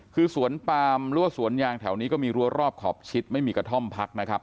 คือสวนปามหรือว่าสวนยางแถวนี้ก็มีรัวรอบขอบชิดไม่มีกระท่อมพักนะครับ